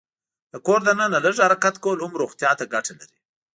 د کور دننه لږ حرکت کول هم روغتیا ته ګټه لري.